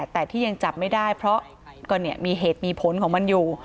แต่ที่ยังจับไม่ได้เพราะก็มีเหตุมีผลของมันอยู่